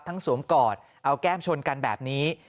สวมกอดเอาแก้มชนกันแบบนี้